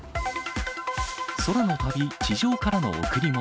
空の旅、地上からの贈り物。